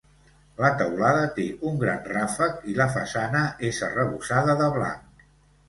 La teulada té un gran ràfec i la façana és arrebossada de blanc.